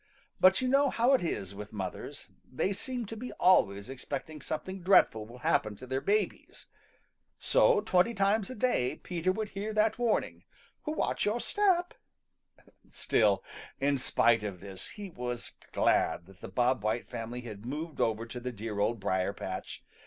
But you know how it is with mothers; they seem to be always expecting something dreadful will happen to their babies. So twenty times a day Peter would hear that warning, "Watch your step!" Still, in spite of this, he was glad that the Bob White family had moved over to the dear Old Briar patch.